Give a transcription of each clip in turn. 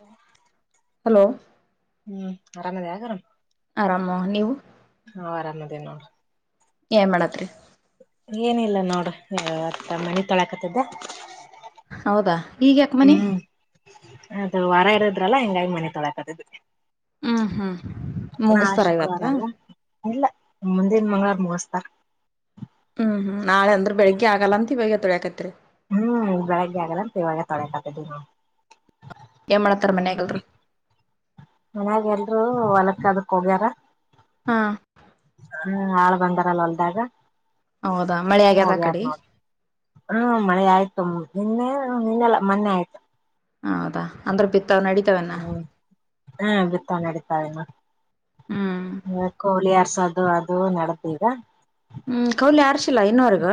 ವಾ ಹಲೋ ಹ್ಮ್ ಅರಾಮದಿ ಆಗರ. ಆರಾಮ ನೀವು. ಹಾ ಆರಾಮದಿ ನೋಡು. ಏನ್ ಮಾಡತ್ರೀ. ಏನಿಲ್ಲ ನೋಡ್ ಇವತ್ತ್ ಮನಿ ತೊಳಕತಿದ್ದೆ. ಹೌದಾ ಈಗ ಯಾಕ ಮನಿ ಹ್ಮ್ ಅದು ವಾರ ಇರದ್ರಲ್ಲ ಹಿಂಗಾಗಿ ಮನೆ ತೊಳಕತಿದೆ. ಹ್ಮ್ ಹ್ಮ್ ನಾಳ್ ಮುಗಿಸ್ತಾರ ಇವತ್ತ ಶುಕ್ರವಾರ ಅಲ್ಲ ಇಲ್ಲ ಮುಂದಿನ್ ಮಂಗ್ಗಳವಾರ ಮುಗಸ್ತಾರ್. ಹ್ಮ್ ಹ್ಮ್ ನಾಳೆ ಅಂದ್ರ ಬೆಳಗ್ಗೆ ಆಗಲ್ಲ ಅಂತ ಈವಾಗ್ಲೆ ತೊಳ್ಯಾಕತ್ರಿ. ಹ್ಮ್ ಬೆಳಗ್ಗೆ ಆಗಲ್ಲ ಅಂತ ಇವಾಗೆ ತೊಳ್ಯಕತಿದಿವ್ ನಾವು. ಏನ್ ಮಾಡ್ತಾರ್ ಮನ್ಯಾಗೆಲ್ರು. ಮನ್ಯಾಗ್ ಎಲ್ರು ಹೊಲಕ್ಕ ಅದಕ್ ಹೋಗ್ಯಾರ. ಹಾ ಹ್ಮ್ ಆಳ್ ಬಂದಾರಲ್ ಹೊಲ್ದಾಗ. ಹೌದಾ ಮಳೆ ಆಗ್ಯದ ಆ ಕಡಿ. ಹ್ಮ್ ಮಳೆ ಆಯ್ತು ನಿನ್ನೆ ನಿನ್ನೆಲ್ಲಾ ಮನ್ನೆ ಆಯ್ತು. ಹೌದಾ ಅಂದ್ರೆ ಬಿತ್ತವ್ ನಡಿ ಹ್ಮ್ ಹ್ಮ ಬಿತ್ತ ನೆಡಿತಾಳಿಮಾ, ಹ್ಮ್ ಕೋಳಿಯಾರ್ ಸ ಅದು ಅದು ನಡಿತ್ ಈಗ. ಹ್ಮ್ ಕೌಲಿ ಆರ್ಶಿಲ್ಲ ಇನ್ನೂವರ್ಗ.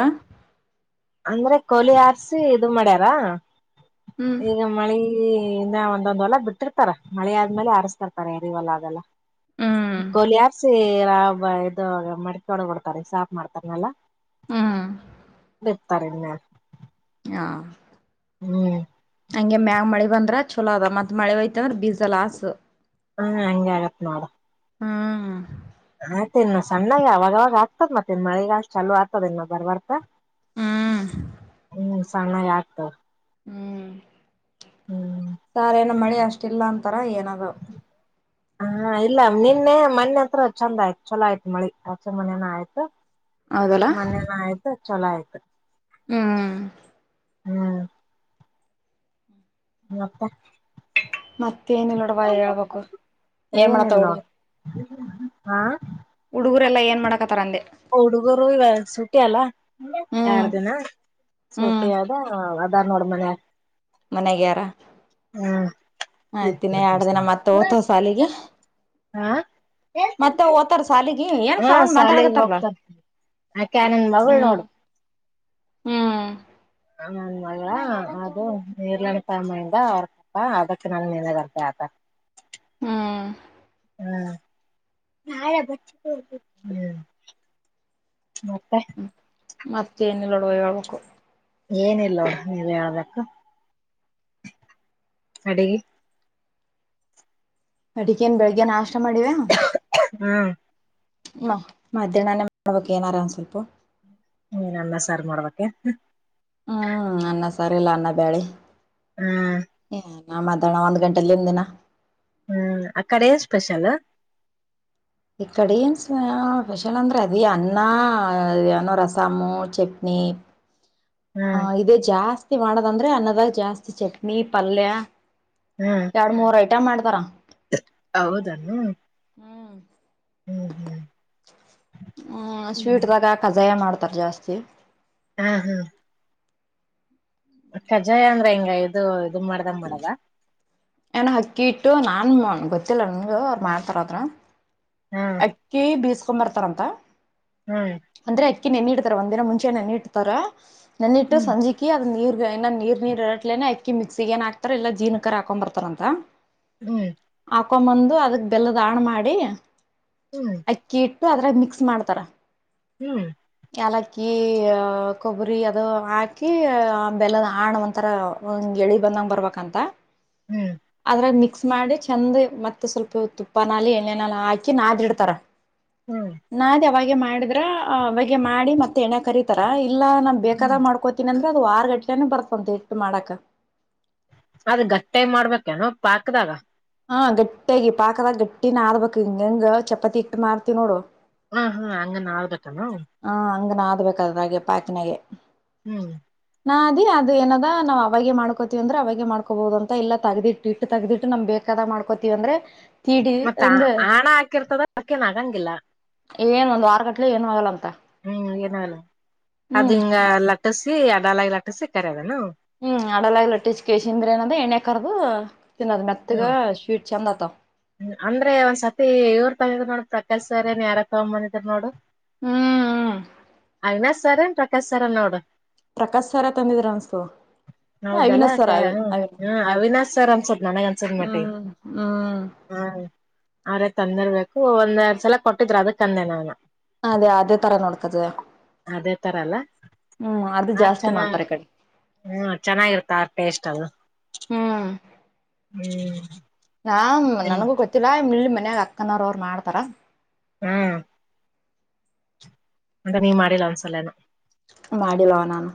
ಅಂದ್ರೆ ಕೌಲಿ ಆರ್ಸಿ ಇದು ಮಾಡ್ಯಾರ, ಹ್ಮ್ ಈಗ ಮಳಿ ಈ ಇನ್ನ ಒಂದೊಂದ್ ಹೊಲ ಬಿಟ್ಟಿರ್ತಾರ ಮಳಿ ಆದ್ಮೇಲೆ ಅರಸ್ತರ್ತಾರೆ ಎರಿ ಹೊಲ ಅದೆಲ್ಲ. ಹ್ಮ್ ಕೊಲಿ ಆರ್ಸಿ ರ ಇದು ವ ಮಡಕೆ ಒಳಗ್ಡ್ತಾರೆ ಸಾಫ್ ಮಾಡ್ತಾರೆನಲ್ಲಾ. ಹ್ಮ್ ಬಿತ್ತರಿನ್ಯ. ಹಾ ಹ್ಮ್ ಹಂಗೆ ಮ್ಯಾಗ್ ಮಳಿ ಬಂದ್ರೆ ಚಲೋದ ಮತ್ತ ಮಳೆ ಹೊಯ್ತು ಅಂದ್ರ ಬೀಜ ಲಾಸ್ಸು. ಹಾ ಹಂಗೆ ಆಗತ್ ನೋಡು. ಹ್ಮ್ ಆತ್ ಇನ್ನು ಸಣ್ಣಾಗೆ ಅವಾಗವಾಗ ಆಗ್ತದ್ ಮತ್ತೆ ಇನ್ ಮಳಿಗ್ ಅತ್ ಚಲೋ ಆಗ್ತದ್ ಇನ್ನು ಬರ್ಬರ್ತಾ. ಹ್ಮುಂ ಹ ಸಣ್ಣ ಆಗತ ಹ್ಮ್ ಹ್ಮ್ ಸಾರ್ ಏನ ಮಳ ಅಷ್ಟ ಇಲ್ಲ ಅಂತಾರ ಏನದಾವ ಹಾ ಇಲ್ಲ ನಿನ್ನೆ ಮನೆ ಹತ್ರ ಚಂದ ಆಯ್ತ ಚಲೋ ಆಯ್ತತ್ ಮಳಿ ಆಚೆ ಮನೇನ ಆಯ್ತು. ಹೌದಲ್ಲ ಮೊನ್ನೆನ ಆಯ್ತು ಚಲೋ ಆಯ್ತು. ಹ್ಮ್ ಹ್ಮ್ ಮತ್ತೆ [unintelligible] ಮತ್ತ ಏನಿಲ್ಲ ನೋಡವ ಹೇಳ್ಬೇಕು ಏನ್ ಏನಿಲ್ಲ ಮಾಡತ ನೋಡ್ ಹೊಡ್ಬೇಕ‌. ಹಾ ಹುಡುಗುರೆಲ್ಲ ಏನ್ ಮಾಡಾಕತಾರ ಅಂದೆ. ಹುಡುಗರು ಇವ ಸುಟ್ಟಿ ಅಲ್ಲ ಎರಡ ಹ್ಮ್ ದಿನ. ಹ್ಮ್ ಸೂಟಿ ಅದ ಅದರ ನೋಡ ಮನ್ಯಾಗ. ಮನೆಗ್ಯಾರ ಹ್ಮ್ ಆಯ್ತಿನ ಎರಡ ದಿನ ಮತ್ತ ವೋಗ್ತವ್ ಸಾಲಿಗೆ. ಹಾ ಮತ್ತೆ ಒಗತರ ಸಾಲಿಗೆ ಏನ್ ಸೌಂಡ್ ಮಾತಾಡಕತ್ತಾರಲ್ಲ. ಆಕ್ಯಾ ನಿನ್ನ ಮಗಳ ಹ್ಮ್ ನೋಡು. ಹ್ಮ್ ಹ [unintelligible] ಮಯ ಅದು ನಿರ್ಲನ್ ತಗಂಡಬಂದಿದ್ದ ಹೊರ್ತ. ಹಾ ಅದಕ್ಕೆ ನಾನ ನಿನಗ [inaudible] ಹ್ಮ್ ಹಾ ನ [inaudible] ಮತ್ತೆ ಮತ್ತೇನಲ್ಲೋಡವ ಹೇಳ್ಬೇಕ್. ಏನಿಲ್ಲವ ನೀನ ಹೇಳ್ಬೇಕ್ ಅಡಗಿ. ಅಡಿಕೇನ್ ಬೆಳಗ್ಗೆ ನಾಷ್ಟ ಮಾಡಿವಾ. ಹ್ಮ್ ನ ಮಧ್ಯಾಹ್ನೇ ಮಾಡ್ಬೇಕಕ್ [unintelligible] ಏನಾರ ಒಂದ ಸ್ವಲ್ಪ ನೀ ಅನ್ನ ಸಾರ್ ಮಾಡ್ಬೇಕೆ. ಹ್ಮ್ -ಅನ್ನ ಸರಿಲ್ಲ ಅನ್ನ ಬ್ಯಾಳಿ ಹ್ಮ್ ಹ. ನಾಂ ಮಾತಣ ಒಂದು ಗಂಟೆಯಲ್ಲಿಂದ ದಿನ ಹ್ಮ್- ಅಕ್ಕಡೆ ಸ್ಪೆಷಲ್. ಈ ಕಡೆ ಏನು ಸ್ [unintelligible] ಸ್ಪೆಷಲ್ ಅಂದರೆ ಅದ ಅನ್ನ ಏನೋ ರಸಾಮು ಚಟ್ನಿ. ಹ ಹ್ಮ್ ಇದೇ ಜಾಸ್ತಿ ಮಾಡದಂದ್ರೆ ಅನ್ನದಾಗ ಜಾಸ್ತಿ ಚಟ್ನಿ ಪಲ್ಯ. ಎರಡ್ ಮೂರ್ ಐಟಾಂ ಮಾಡ್ತಾರ. ಹೌದನ್ನು ಹ್ಮ್ ಹ್ಮ್- ಹ್ಮ್ ಹ್ಮ- ಸ್ವೀಟ ಹ್ಮ್ ದಾಗ ಕಜಾಯ ಮಾಡ್ತಾರ ಜಾಸ್ತಿ. ಹ್ಮುಂ -ಹು ಕಖ್ಜಾಯ ಅಂದ್ರೆ ಹಿಂಗ ಇದು ಇದು ಮಾಡದಂಗ್ ಮಾಡದ‌. ಏನೋ ಅಕ್ಕಿ ಇಟ್ಟು ನಾನು [unintelligible] ಗೊತ್ತಿಲ್ಲ ನನಗೆ ಅವ್ರು ಮಾಡ್ತಾರೋ ಆದ್ರ. ಹ್ ಕೆ ಬಿಸ ಕೊ ಬರ್ತರ ಅಂತ. ಹ್ಮ್ ಅಂದ್ರೆ ಅಕ್ಕಿ ನೆನ್ನಿಡ್ತಾರ ಒಂದಿನ ಮುಂಚೆ ನೆನ್ನಿಡ್ತಾರ ನೆನ್ನಿಟ್ಟು ಹ್ಮ್ ಸಂಜೆ. ಅಕ್ಕಿ ಅದ್ ನೀರ್ ಇನ್ನ ನೀರ್ ನೀರ್ ಇರಟ್ಲೇನೆ ಅಕ್ಕಿ ಮಿಕ್ಸಿ ಏನ್ ಹಾತರೆ ಇಲ್ಲ ಜೀನಕರ್ ಹಾಕೊಂಡ್ ಬರ್ತಾರ ಅಂತ. ಹ್ಮ್ ಹಾಕೊಂಬಂದು ಅದಕ್ ಬೆಲ್ಲದ ಹಾಣ ಮಾಡಿ. ಹ್ಮ್ ಅಕ್ಕಿಹಿಟ್ಟು ಅದ್ರಗ ಮಿಕ್ಸ್ ಮಾಡ್ತಾರ. ಹ್ಮ್ ಏಲಕ್ಕಿ ಕೊಬ್ಬರಿ ಅದು ಹಾಕಿ ಬೆಲ್ಲದ ಹಾಣ ಒಂಥರ. ಇಂಗೆ ಎಳಿ ಬಂದಂಗ ಬರ್ಬೇಕಂತ. ಹ್ಮ್ ಅದ್ರಾಗ ಮಿಕ್ಸ್ ಮಾಡಿ ಚೆಂದ ಮತ್ತೆ ಸ್ವಲ್ಪ ತುಪ್ಪನಾಲೆ ಎಣ್ಣನಾಲೇ ಹಾಕಿ. ಹಾಕಿ ನಡಾಯಿಡ್ತಾರ. ಹ್ಮ್ ನಾದಿ ಅವಾಗ ಮಾಡಿದ್ರ ಅವಾಗೆ ಮಾಡಿ ಮತ್ತೆ ಎಣೆಲ್ಲಿ ಕರೀತಾರ ಇಲ್ಲಾ ನಾ ಹ್ಮ್ ಬೇಕಾದಾಗ ಮಾಡ್ಕೋತಿನಿ. ಏನ ಅಂದ್ರೆ ಅದು ವಾರಗಟ್ಲೆೇಲೇನು ಬರ್ತಂತ ಹಿಟ್ಟು ಮಾಡಕ್. ಅದ ಗಟ್ಟೆ ಮಾಡ್ಬೇಕನೋ ಪಾಕ್ದಾಗ. ಹಾ ಗಟ್ಟಿಯಾಗಿ ಪಾಕದಾಗ ಗಟ್ಟಿನ ಆಡ್ಬೇಕಕ್ ಹಿಂಗ ಹೆಂಗ್ ಚಪಾತಿ ಇಟ್ಟು ನಾದರ್ತಿ ನೋಡು. ಹಾ ಹಾ ಹಂಗನ್ ನಾದಬೇಕಾ ಅದು. ಹ ಹಂಗ ನಾದಬೇಕು ಹಾಗೆ ಪಾಕನಾಗೆ. ಹ್ಮ್ ನಾದಿ ಅದ ಏನದ ನಾವ ಅವಾಗ ಮಾಡ್ಕೋತಿವಿ ಅಂದ್ರ ಅವಾಗೆ ಮಾಡ್ಕೋಬಹುದು ಅಂತ ಎಲ್ಲ ತಗದಿಟ್ಟು. ತೆಗ್ದಿಟ್ಟು ನಮ್ ಬೇಕಾದ ಮಾಡ್ಕೋತೀವಿ ಅಂದ್ರೆ. ಇಡಿ ಮತ್ತ ಅಂದು ಆಣ ಹಾಕಿರ್ತದ ಅಕ್ಕೇನ್ ಆಗಂಗಿಲ್ಲ ಏನು ಒಂದುವಾರಗಟ್ಟಲೆ ಏನು ಆಗಲ್ಲ ಅಂತ. ಹ್ಮ್ ಏನಲ್ಲ ಹ್ಮ್ ಅದು ಹಿಂಗ ಲಟ್ಟಸಿ ಅದಲಾಗಿ ಲಟ್ಟಸಿ ಕರೇದನ. ಹ್ಮ್ ಆಡಲ್ಲೆ ಲಟ್ಟಿಸಿಕೆಸಿಂದ್ರ ಏನಂದ ಎಣ್ಣಕರ್ದು ತಿನ್ನದ್ ಮೆತ್ತಗ ಹ್ಮ್ ಸ್ವೀಟ್ ಚಂದಆತಾವ್. ಅಂದ್ರೆ ಒಂದ್ ಸತಿ ಇವ್ ತಂದಿದ್ ನೋಡು ಪ್ರಕಾಶ್ ಸರರ್ನ್ ಯಾರ ತಗೊಬಂದಿದ್ ನೋಡು. ಹ್ಮ್ [unintelligible] ಸರನ್ ಪ್ರಕಾಶ್ ಸರ್ ನೋಡು. ಪ್ರಕಾಶ್ ಸರ್ ತಂದಿದ್ರ ಅನಿಸ್ತಿದ್ದ ಹೌದಲ್ಲಾ ಹ ಅವಿನಾಶ ಸರ್ ಅನ್ನಿಸ್ತದೆ ನನಗೆ ಅನ್ಸದ ಮಟ್ಟಿಗೆ. ಹ್ಮ್ ಹ್ಮ್ ಹಾ ಅವ್ರೇ ತಂದಿರ್ಬೇಕು ಒಂದರಡರ ಸಲ ಕೊಟ್ಟಿದ್ರ ಅದಕ್ ಅಂದೆ ನಾನು. ಅದೇ ಅದೇ ತರ ನೋಡ್ತದ್ದೆ. ಅದೇ ತರಲ್ಲ ಅದು ಆ ಜಾಸ್ತಿ ಚನ್ನ. ಮಾಡ್ತಾರೆ ಈ ಕಡೆ ಹ್ಮ್ ಚೆನ್ನಾಗಿರ್ತಾ ಟೇಸ್ಟ್ ಅದು ಹ್ಮ್ ಹ್ಮ್. ನಾ ನಿಮ್ ನನಗೂ ಗೊತ್ತಿಲ್ಲ ಇಲ್ಲಿ ಮನ್ಯಾಗ ಅಕ್ಕನವ್ರ ಅವ್ರು ಮಾಡ್ತಾರ. ಹ್ಮ್ ಅಂದೆ ನೀವ ಮಾಡಿಲ್ಲ ಒಂದುಸಲೇನು. ಮಾಡಿಲ್ಲವ ನಾನು.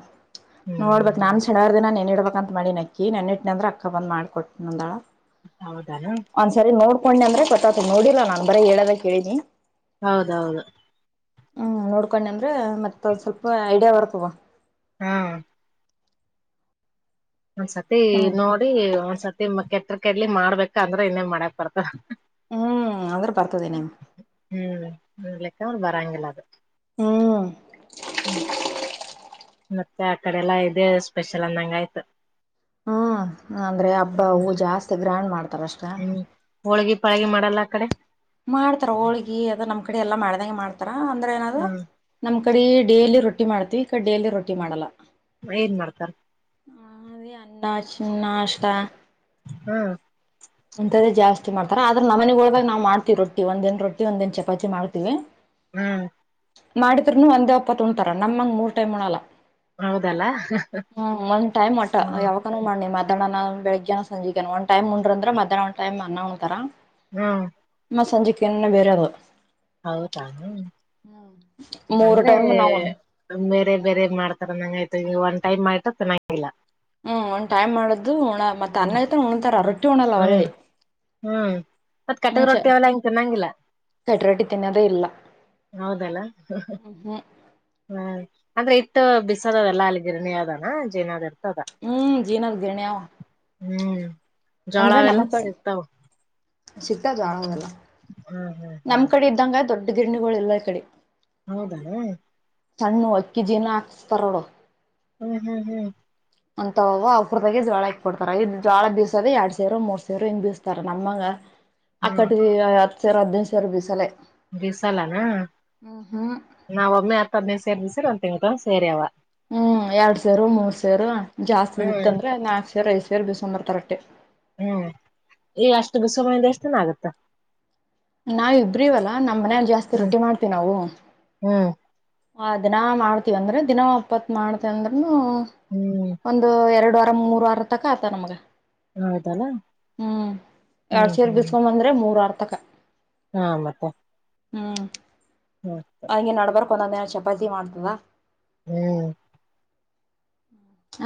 ನೋಡ್ಬೇಕಕ್ ಹ್ಮ್ ನಾನ್ ಚೆಡಾರ್ ದಿನ ನೆನ್ ಇಡ್ಬೇಕಕ್ಂತ ಮಾಡಿ ಅಕ್ಕಿ ನೆಟ್ಟನಂದೆ ಅಕ್ಕ ಬಂದ ಮಾಡಕೊಟ್ಟತೀನಿಅಂದಳ. ಹೌದ. ಒಂದ್ ಸರಿ ನೋಡ್ಕೊಂಡೆ ಅಂದ್ರೆ ಗೊತ್ತಾತು ನೋಡಿಲ್ಲ ನಾನ್ ಬರೀ ಹೇಳೋದೇ ಕೇಳೀನಿ. ಹೌದೌದು. ಹ್ಮ್ ನೋಡ್ಕೊಂಡ ಅಂದ್ರೆ ಮತ್ತೊಂದ್ ಸ್ವಲ್ಪ ಐಡಿಯಾ ಬರ್ತವ. ಹಾ ಒಂದ್ಸತಿ ನಮ್ ನೋಡಿ ಒಂದ್ಸತಿ ಕೆಟ್ಟ್ರಕೆಡ್ಲಿ ಮಾಡ್ಬೇಕ ಅಂದ್ರೆ ಇನ್ನೇೊಮಿ ಮಾಡಾಕ್ ಬರ್ತವ್. ಹ್ಮ್ ಅಂದ್ರ ಬರ್ತದೇನೆೇ. ಹ್ಮ್ ಲೆಕ್ಕ್ ಬರಂಗಿಲ್ಲ ಅದು. ಹ್ಮ ಮತ್ತ ಆಕಡೆ ಎಲ್ಲಾ ಇದೆ ಸ್ಪೆಷಲ್ ಅಂದಂಗ ಆಯ್ತ. ಹ್ಮ ಅಂದ್ರೆ ಹಬ್ಬ ಹ್ಮ್ ಅವು ಜಾಸ್ತಿ ಗ್ರ್ಯಾಂಡ್ ಮಾಡ್ತಾರಷ್ಟ. ಹ್ಮ್ ಹೋಳ್ಗಿ ಪಾಳಗಿ ಮಾಡಲ್ಲ ಆ ಕಡೆ ಮಾಡ್ತಾರ ಹೋಳ್ಗಿ ಅದ ನಮ ಕಡೆ ಎಲ್ಲಾ ಮಾಡ್ದಂಗ ಮಾಡ್ತಾರ ಅಂದ್ರೆ ಏನದ. ಹ್ಮ್ ನಮ್ ಕಡೆ ಡೇಲಿ ರೊಟ್ಟಿ ಮಾಡ್ತವಿ ಈ ಕಡೆ ಡೇಲಿ ರೊಟ್ಟಿ ಮಾಡಲ್ಲ. ಏನ್ ಮಾಡ್ತಾರ. ಅದ ಅನ್ನ ಚಿನ್ನಷ್ಟ ಹ್ಮ. ಒಂತದೇ ಜಾಸ್ತಿ ಮಾಡ್ತಾರ ಆದ್ರ ನಮ್ಮನೆಗ್ಗ ಒಳಾಗ ನಾವ ಮಾಡ್ತವ ರೋಟ್ಟಿ ಒಂದ್ ದಿನ ರೊಟ್ಟಿ ಒಂದ್ ದಿನ ಚಪಾತಿ ಮಾಡ್ತೀವಿ. ಹ್ಮ. ಮಾಡಿದ್ರುನು ಒಂದ ಓಪ್ಪತ್ ಉನತಾರ ನಮ್ಮಂಗ ಮೂರ್ ಟೈಮ್ ಉಣಲ್ಲ. ಹೌದಲ್ಲ ಹ್ಮ ಒಂದ್ ಟೈಮ್ ಮಟ ಹ್ಮ್ ಯಾವ ಮಾಡ ನೀ ಮಧ್ಯಾಹ್ನ ಬೆಳಗ್ನ ಸಂಜಗ ಒನ್ ಟೈಮ್ ಮುಂಡ್ರ ಅ್ರ ಮಧ್ಯಾನ ಟಮ್ ಉಣತಾರ. ಹ್ಮ. ಮ ಸಂಜೆಕ ಏನ್ ಬೇರೆ ಅದ. ಹೌದಾ ಮೂರ ಅಂದ್ರೆ ಟೈಮ ನಾವ ಬೇರೆ ಬೇರೆ ಮಾಡ್ತಾರ ನಂಗ ಆಯ್ತ ಈ ಒನ್ ಟೈಮ್ ಮಾಡಿರ ತಿನ್ನಗಿಲ್ಲ. ಹ್ಮ ಒಂದ್ ಟೈಮ್ ಮಾಡ್ದ ಉಣ್ಣ ಮತ್ತ ಅನ್ನಯ್ತ ಉಣ್ಣಂತಾರ ರೊಟ್ಟಿ ಉಣಲ್ಲ ಅವರ ಹ್ಮ ಮತ್ ಕಟಕ್ ರೊಟ್ಟಿಲ್ಲ ಹಂಗ ತಿನ್ನಂಗಲ್ಲ. ಕಟ್ ರೊಟ್ಟಿ ತಿನ್ನೋದೇ ಹೌದಲ್ಲ. ಹ್ಮ. ಹ್ಮ ಅಂದ್ರ ಇಟ್ಟ ಬಿಸದ ಎಲ್ಲಾ ಅಲ್ಲಿ ಗಿರಣಿ ಅದಾನ ಜೇನದ್ ಇರ್ತದ. ಹ್ಮ ಜೀನದ ಗಿರ್ಣಿ ಅವ. ಹ್ಮ ಜೊಳ ಅವೆಲ್ಲ ಸಿಗತವ. ಸಿಗ್ತಾ ಜಾಳ ಅವೆಲ್ಲ ಹ್ಮ. ನಮ್ ಕಡೆ ಇದ್ದಂಗ ದೊಡ್ಡ ಗಿರಣಿಗಳ ಇಲ್ಲ ಈ ಕಡೆ ಹೌದ. ಸಣ್ಣ ಅಕ್ಕಿ ಜೀನ ಹಾಕಸ್ತಾರೋಡು. ಹ್ಮ್ ಹ್ಮ್ ಹ್ಮ್. ಅಂತವ ಅವಕ್ರದಾಗ ಜ್ವಾಳ ಇಕ್ ಕೊಡ್ತಾರ ಇ ಜೋಳ ಬೀಸೋದ ಎಡ್ ಸೇರು ಮೂರ ಸೇರು ಹಿಂಗ ಬಿಸ್ತಾರ ನಮ್ಮಂಗ ಹ್ಮ್ ಅಕ್ಕಡಿ ಹತ್ತ ಸೆರ್ ಹದ್ನೈದ ಸೆರ್ ಬೀಸಲೇ ಬಿಸಾಲನ ನಾವ ಒಮ್ಮೆ ಹತ್ತ ಹದನೇದ ಸೇರ್ ಬಿಸಿರ ಒಂದ್ ತಿಂಗಳ ಸೇರವ ಹ್ಮ ಎಡ್ ಸೇರ ಮೂರ್ ಸೇರ ಜಾಸ್ತಿ ಇತ್ತ ಹ್ಮ್ ಅಂದ್ರೆ ನಾಲ್ಕ ಸೇರ ಐದ ಸೇರ್ ಬೇಸಂಬರ್ ಅಟ್ಟೆ. ಹ್ಮ ಈ ಅಷ್ಟ ಬಿಸಯಿಂದ ಎಷ್ಟನ ಆಗತ್ತಾ. ನಾವ ಇಬ್ರೀವಲ್ಲಾ ನಮ್ಮ ಮನೇಲಿ ಜಾಸ್ತಿ ರೊಟ್ಟಿ ಮಾಡ್ತಿವಿ ನಾವು. ಹ್ಮ. ಆ ದಿನ ಮಾಡ್ತಿವಂದ್ರ ದಿನ ಒಪ್ಪತ ಮಾಡ್ತ ಅಂದ್ನುನು ಹ್ಮ. ಒಂದ ಎರಡ ವಾರ ಮೂರ ವಾರತಕ್ಕ ಆತ ನಮ್ಗ ಹೌದಲ್ಲ ಹ್ಮ ಹ್ಮ್ ಎಡ್ ಸೆರ್ ಹ್ಮ್ ಬಿಸಕೊಂದ ಬಂದ್ರ ಮೂರ್ ವಾರ ತಕ ಹಾ ಮತ್ತ ಹ್ಮ. [inaudible] ಹಂಗೆ ನಡರಬರಕ್ ಒಂದೊಂದ್ ದಿನ ಚಪಾತಿ ಮಾಡ್ತದ ಹ್ಮ್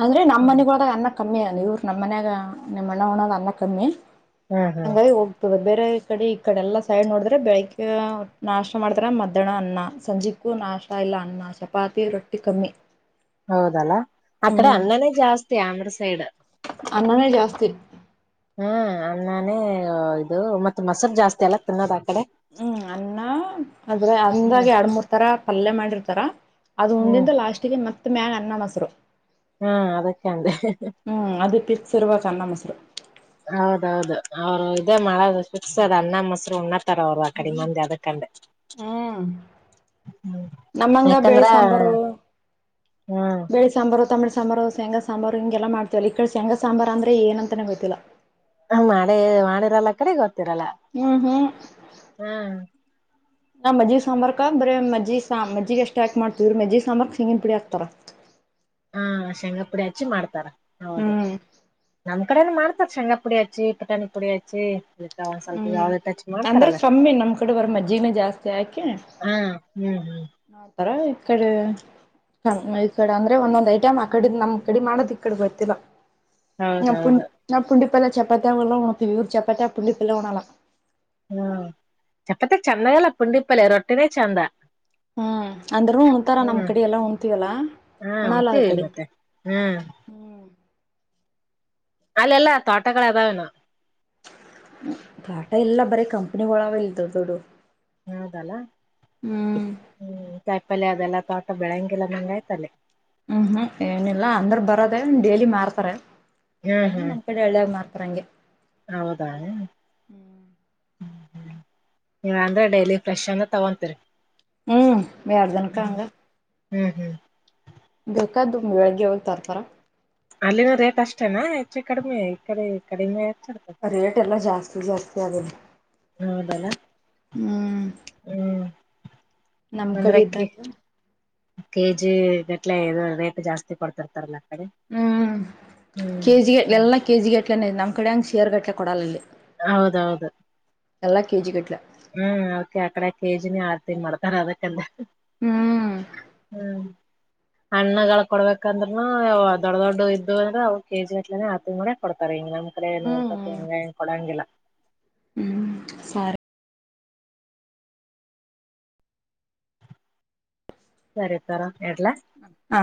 ಅಂದ್ರೆ ನಮ್ಮ್ ಹ್ಮ್ ಮನಿಗೊಳದಾಗ ಅನ್ನ ಕಮ್ಮಿ ಅಲ್ ಇವ್ರು ನಮ್ ಮನ್ಯಾಗ ನಿಮ್ಮಣ್ಣ ಊಣದ ಅನ್ನ ಕಮ್ಮಿ. ಹ್ಮ ಹ್ಮ ಏ ಹೋಗ್ತದ ಬೇರೆ ಕಡಿ ಈ ಕಡ ಎಲ್ಲಾ ಸೈಡ್ ನೋಡದ್ರೆ ಬೆಳಿಗ್ಗೆ ಅ ನಾಸ್ಟಾ ಮಾಡ್ತಾರ ಮಧ್ಯಾಹ್ನ ಅನ್ನ ಸಂಜಿಗ್ ಕ್ಕೂ ನಾಸ್ಟ ಇಲ್ಲ ಅನ್ನ ಚಪಾತಿ ರೊಟ್ಟಿ ಕಮ್ಮಿ. ಹೌದಲ್ಲ ಆಕಡೆ ಹ್ಮ್ ಅನ್ನನೇ ಜಾಸ್ತಿ ಅಂದ್ರ ಸೈಡ. ಅನ್ನನೇ ಜಾಸ್ತಿ. ಹ್ಮ್ ಅನ್ನನ್ನೇ ಇದು ಮತ್ ಮಸರು ಜಾಸ್ತಿ ಅಲ ತಿನ್ನೋದ್ ಆ ಕಡೆ. ಹ್ಮ್ ಅನ್ನ ಅದ್ರೆ ಹ್ಮ್ ಅನ್ನಂದಾಗೆ ಎರಡ್ಮರ್ ತರ ಪಲ್ಯ ಮಾಡಿರ್ತಾರ. ಅದು ಹ್ಮ್ ಉಂಡಿಂದ ಲಾಸ್ಟಿಗಿ ಮತ್ತ ಮ್ಯಾಗ ಅನ್ನ ಮೊಸರು. ಹಾ ಅದಕ್ಕೆ ಅಂದೆ ಹ್ಞೂ ಅದು ಪಿಕ್ಸ ಇರಬೇಕ ಅನ್ನ ಮೊಸರು. ಹೌದೌದು ಅವ್ರು ಇದೇ ಮಾಡದು ಪಿಕ್ಸದ ಅನ್ನ ಮೊಸ್ರು ಉಣ್ಣಾತಾರ ಅವ್ರು ಆ ಕಡೆ ಮಂದಿ ಅದಕ ಅಂದೆ. ಹ್ಮ್ ಹ್ಮ ನಮ್ಮಂಗ ಬೇಳೆ ಯಾಕಂದ್ರ ಹ್ಮ್. ಬೆಳಿ ಸಾಂಬಾರು ತಂಬಳ ಸಾಂಬಾರು ಶೇಂಗಾ ಸಾಂಬಾರು ಹಿಂಗೆಲ್ಲ ಮಾಡ್ತಿವಲ್ಲ ಈ ಕಡ ಶೇಂಗಾ ಸಾಂಬಾರ ಅಂದ್ರ ಏನ ಅಂತಾನೇ ಗೊತ್ತಿಲ್ಲ. ಹ ಮಾಡೆ ಮಾಡಿರಲ್ ಆಕಡಿ ಗೊತ್ತಿರಲ್ಲಾ. ಹ್ಮ್ ಹ್ಮ್ ನ ಮಜ್ಜಿಗಿ ಸಾಂಬಾರಕ ಬರೆ ಮಜ್ಜಿಗಿ ಸಾ ಮಜ್ಜಿಗಿ ಅಷ್ಟೆ ಹಾಕ್ ಮಾಡ್ತೀವಿ ಇವ್ರ ಮಜ್ಜಿಗಿ ಸಾಂಬಾರಕ ಸೆಂಗಿನಿ ಪುಡಿ ಹಾಕ್ತಾರ. ಹಾ ಶೇಂಗಾಪುಡಿ ಹಚ್ಚಿ ಮಾಡ್ತಾರ ಹೌದು. ಹ್ಮ್ ನಮ್ಮ್ ಕಡೆನು ಮಾಡ್ತಾರ ಶೆಂಗಾ ಪುಡಿ ಹಚ್ಚಿ ಪುಟಾಣಿ ಪುಡಿ ಹಚ್ಚಿ. ಇಟ್ಟ ಒಂದ್ ಸ್ವಲ್ಪ ಹ್ಮ್ ಯಾವ್ದೇಹಿಟ್ಚ್ ಅಂದ್ರೆ ಮಾಡ್ತಾರಲ್ಲ ಕಮ್ಮಿ ನಮ್ ಕಡೆ ಬರ ಮಜ್ಜಿಗನೇ ಜಾಸ್ತಿ ಹ್ಮ್. ಹ್ಮ್ ಹ್ಮ್ ಆತರ ಇಕಡೆ ನಮ್ ಈ ಕಡೆ ಅಂದ್ರೆ ಒಂದೊಂದ್ ಐಟಮ್ ಆಕಡಿದ್ ನಮ್ ಕಡಿ ಮಾಡೋದ್ ಈಕಡ ಗೊತ್ತಿಲ್. ನಾವ್ ಪುಂಡ ಹೌದೌದು ನಾವ್ ಪುಂಡಿ ಪಲ್ಯ ಚಪಾತ್ಯಾಗ ಎಲ್ಲಾ ಉಣತೀವಿ ಇವ್ರ ಚಪಾತ್ಯಾಗ ಪುಂಡಿ ಪಲ್ಯ ಉಣಲಾ. ಹ್ಮ ಚಪಾತ್ಯಾಗ ಚಂದಾಗಲ್ಲ ಪುಂಡಿಪಲ್ಯ ರೊಟ್ಟಿನೆ ಚಂದ. ಹ್ಮ್ ಅಂದುರು ಉಣತಾರ ನಮ್ ಹ್ಮ್ ಕಡಿ ಎಲ್ಲಾ ಉಣತಿವಲ್ಲ ಹಾ ಉಣಲ ಉಣ್ತೀವಿ ಈಕಡಿ. ಮತ್ತೆ ಹ್ಮ್ ಅಲ್ಲೆಲ್ಲ ತ್ವಾಟಗಳ ಅದಾವೆನೊ. ತ್ವಾಟಾ ಇಲ್ಲ ಬರೆ ಕಂಪನಿಗೋಳ ಅವ ಇಲ್ ದೊಡ್ಡ ದೊಡ್ಡು. ಹೌದಲ್ಲ ಹ್ಮ್ ಹ್ಮ್ ಕಾಯಿಪಲ್ಯಾ ಅದೆಲ್ಲ ತ್ವಾಟ ಬೆಳಂಗಿಲ್ಲ ಅಂದಗಾಯಿತ್ ಅಲ್ಲಿ. ಹ್ಮ್ ಹ್ಮ್ ಏನಿಲ್ಲಾ ಅಂದ್ರ ಬರದೇ ಡೇಲಿ ಮಾರ್ತಾರೆ ಹ್ಮ್ [unintelligible] ಹ್ಮ್ ನಮ್. ಇಕಡ್ ಹಳ್ಯಾಗ ಮಾರ್ತಾರ್ ಹಂಗೆ. ಹೌದಾ ಹ್ಮ್ಮ ನೀವ್ ಅಂದ್ರೆ ಡೈಲಿ ಫ್ರೆಶ್ ಅಂದ ತೊಗೊಂತೀರಿ. ಹ್ಮ್ [unintelligible] ಹಂಗ. ಹ್ಮ್ ಹ್ಮ್ ಬೇಕಾದ್ದು ಬೆಳಗ್ಗೆ ಹೋಗ್ ತರ್ತರ. ಅಲ್ಲಿನ ರೇಟ್ ಅಷ್ಟೇನಾ ಹೆಚ್ಚು ಕಡಿಮಿ ಈ ಕಡೆ ಕಡಿಮೆ ಹೆಚ್ಚ ಇರತದ. ರೇಟ್ ಎಲ್ಲ ಜಾಸ್ತಿ ಜಾಸ್ತಿ ಆದಿಲ್ಲಿ. ಹೌದಲ್ಲ ಹ್ಮ್ ಹ್ಮ್ ನಮ್ ಅಂದ್ರೆ ಕಡಿ ಇದ್ದಂಗ. ಕೆ ಜಿ ಗಟ್ಲೆ ಇದು ರೇಟ್ ಜಾಸ್ತಿ ಕೊಡ್ತಿರ್ತಾರಲ್ಲ ಆ ಕಡಿ. ಹ್ಮ್ ಕೆಜಿಗೆ ಹ್ಮ್ ಎಲ್ಲಾ ಕೆಜಿ ಗಟ್ಲೆನ ನಮ್ ಕಡೆ ಹಂಗ ಶೇರ್ ಗಟ್ಲೆ ಕೊಡಲಿಲ್ಲಿ. ಹೌದೌದ. ಎಲ್ಲಾ ಕೆಜಿ ಗಟ್ಲೆ. ಹ್ಮ್ ಅದ್ಕೆ ಆಕಡೆ ಕೆಜಿನೆ ಆಡ್ತಿ ಮಾಡ್ತಾರ ಅದಕ್ಕಂದೆ. ಹ್ಮ್ ಹ್ಮ್ ಹಾ. ಹಣ್ಣಗಳ್ ಕೊಡ್ಬೇಕಂದ್ನು ದೊಡ್ಡ ದೊಡ್ಡ ಇದ್ ಅಂದ್ರೆ ಅವು ಕೆಜಿ ಅಟ್ಲನೆ ಆತುಗುನೆ. ಕೊಡ್ತಾರೆ ಹಿಂಗಂದ್ರೆ ನಮ್ ಕಡೆ ನೋಡ್ತ ಹ್ಮ್ ಹಿಂಗ ಕೊಡಂಗಿಲ್ಲ. ಹ್ಮ್ ಸರ್ ಸರಿ ತರ ಹಿಡ್ಲಾ. ಹಾ